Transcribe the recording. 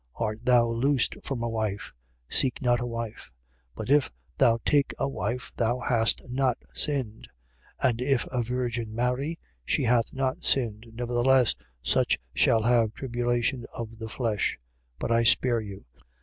Art thou loosed from a wife? Seek not a wife. 7:28. But if thou take a wife, thou hast not sinned. And if a virgin marry, she hath not sinned: nevertheless, such shall have tribulation of the flesh. But I spare you.